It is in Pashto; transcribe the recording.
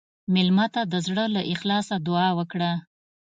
مېلمه ته د زړه له اخلاصه دعا وکړه.